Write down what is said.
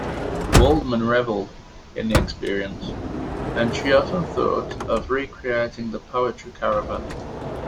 Waldman reveled in the experience, and she often thought of recreating the poetry caravan.